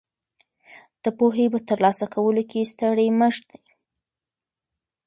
د پوهې په ترلاسه کولو کې ستړي مه ږئ.